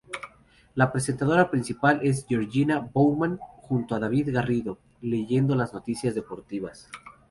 La presentadora principal es Georgina Bowman, junto a David Garrido leyendo las noticias deportivas.